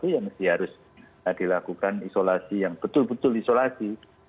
ya mesti harus dilakukan isolasi yang betul betul isolasi